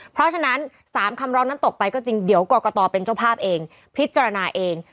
เพราะฉะนั้น๓คำรองนั้นตกไปกกตเป็นเจ้าภาพเองพิจารณาเอง